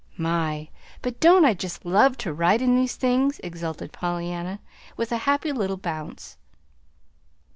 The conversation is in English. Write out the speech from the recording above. My! but don't I just love to ride in these things," exulted Pollyanna, with a happy little bounce.